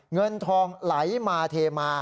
เงินทองไหลมาเทมา